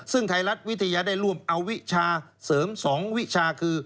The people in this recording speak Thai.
ซึ่งไทยรัฐวิทยาได้ร่วมเอาวิชาเสริม๒วิชาคือ